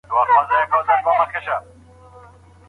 افغاني کورونه بې دېواله نه وي.